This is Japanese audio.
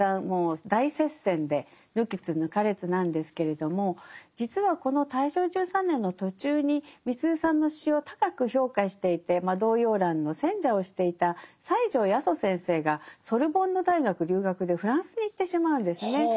もう大接戦で抜きつ抜かれつなんですけれども実はこの大正１３年の途中にみすゞさんの詩を高く評価していてまあ童謡欄の選者をしていた西條八十先生がソルボンヌ大学留学でフランスに行ってしまうんですね。